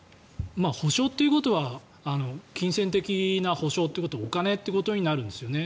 補償ということは金銭的な補償ということお金ということになるんですよね。